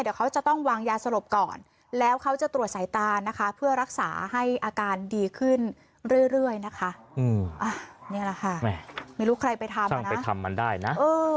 สร้างไปทำมันได้นะ